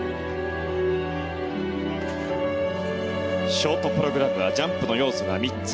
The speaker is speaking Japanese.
ショートプログラムはジャンプの要素が３つ。